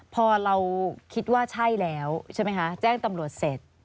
พอเราคิดว่าใช่แล้วใช่ไหมคะแจ้งตำรวจเสร็จ